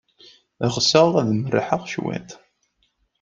Ɣseɣ ad merrḥeɣ cwiṭ.